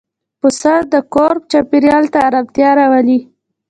پسه د کور چاپېریال ته آرامتیا راولي.